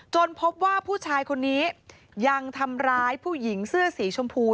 พบว่าผู้ชายคนนี้ยังทำร้ายผู้หญิงเสื้อสีชมพู